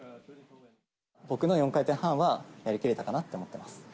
僕の４回転半はやりきれたかなと思ってます。